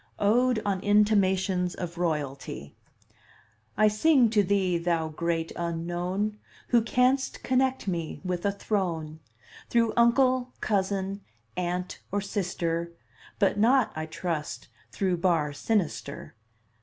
ODE ON INTIMATIONS OF ROYALTY I sing to thee, thou Great Unknown, Who canst connect me with a throne Through uncle, cousin, aunt, or sister, But not, I trust, through bar sinister.